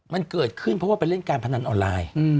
มันเกิดขึ้นเพราะว่าไปเล่นการพนันออนไลน์